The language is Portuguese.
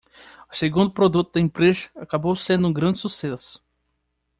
O segundo produto da empresa acabou sendo um grande sucesso.